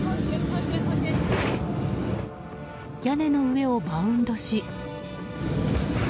屋根の上をバウンドし。